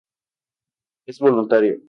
Es voluntario.